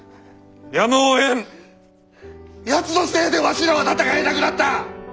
やつのせいでわしらは戦えなくなった！